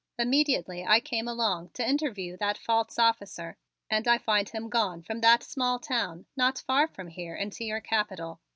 Immediately I came alone to interview that false officer and I find him gone from that small town not far from here into your Capital.